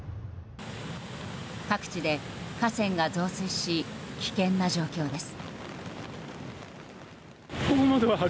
各地で河川が増水し危険な状況です。